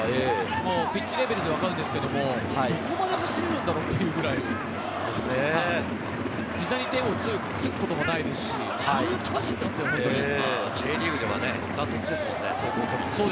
ピッチレベルで分かるんですけど、どこまで走れるんだろうっていうくらい、膝に手を突くこともないですし、Ｊリーグでは断トツですよね。